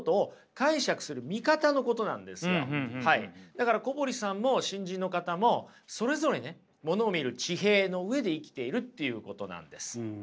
だから小堀さんも新人の方もそれぞれねものを見る地平の上で生きているっていうことなんです。